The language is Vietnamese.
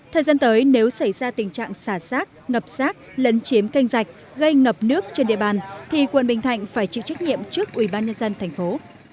thời gian tới nếu xảy ra tình trạng xả sát ngập sát lấn chiếm canh rạch gây ngập nước trên địa bàn thì quận bình thạnh phải chịu trách nhiệm trước ubnd tp hcm